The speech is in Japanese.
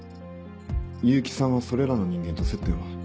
結城さんはそれらの人間と接点は？